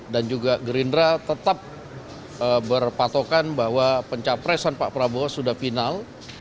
dan juga gerindra tetap berpatokan bahwa pencapresan pak prabowo sudah final